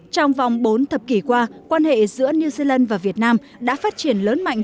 trong vòng bốn thập kỷ qua quan hệ giữa new zealand và việt nam đã phát triển lớn mạnh